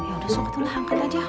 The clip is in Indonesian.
yaudah suka tuh lah angkat aja